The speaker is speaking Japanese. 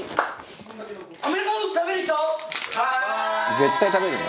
「絶対食べるよね」